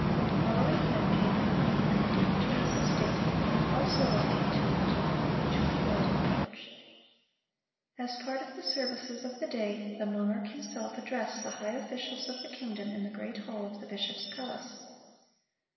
Following him came the queen and the dignitaries of state, also walking two and two, each with a lighted torch. As a part of the services of the day, the monarch himself addressed the high officials of the kingdom in the great hall of the bishop's palace.